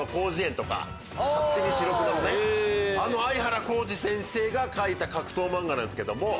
あの相原コージ先生が描いた格闘漫画なんすけども。